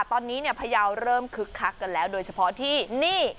ตอนนี้เนี่ยพยาวเริ่มคึกคักกันแล้วโดยเฉพาะที่นี่